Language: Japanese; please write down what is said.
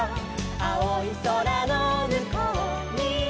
「あおいそらのむこうには」